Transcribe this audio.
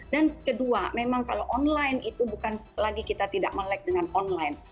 kedua memang kalau online itu bukan lagi kita tidak melek dengan online